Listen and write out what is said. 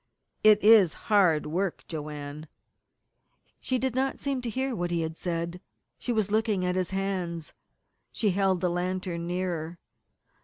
"It is hard work, Joanne." She did not seem to hear what he had said. She was looking at his hands. She held the lantern nearer.